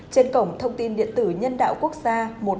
trên cổng thông tin điện tử nhân đạo quốc gia một nghìn bốn trăm linh